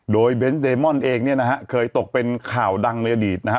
โดยเบนส์เดมอนเองเนี่ยนะฮะเคยตกเป็นข่าวดังในอดีตนะฮะ